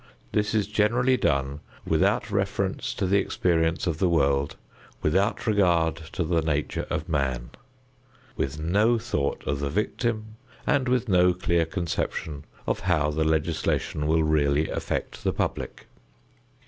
This is generally done without reference to the experience of the world, without regard to the nature of man, with no thought of the victim, and with no clear conception of how the legislation will really affect the public.